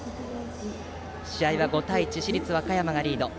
試合は５対１で市立和歌山がリード。